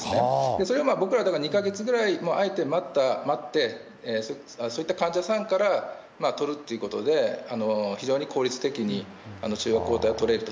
それは僕ら、２か月ぐらい、あえて待って、そういった患者さんから採るっていうことで、非常に効率的に中和抗体を取れると。